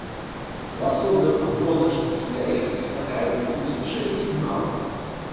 У асобных гоначных серыях сустракаюцца і іншыя сігналы.